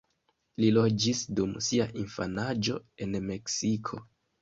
Li loĝis dum sia infanaĝo en Meksiko.